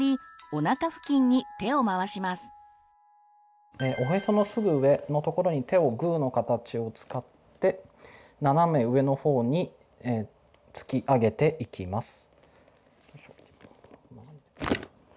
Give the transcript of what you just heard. おへそのすぐ上のところに手をグーの形を使って斜め上のほうに突き上げていきます。